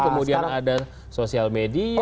kemudian ada sosial media